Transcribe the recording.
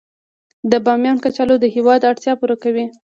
د بامیان کچالو د هیواد اړتیا پوره کوي